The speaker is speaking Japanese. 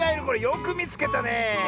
これよくみつけたねえ。